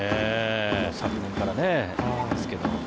昨年からですけど。